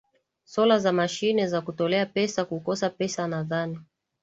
solar za mashine za kutolea pesa kukosa pesa nadhani